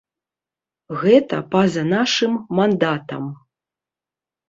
Гэта па-за нашым мандатам.